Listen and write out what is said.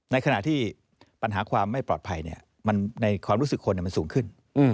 ในขณะที่ปัญหาความไม่ปลอดภัยในความรู้สึกคนมันสูงขึ้น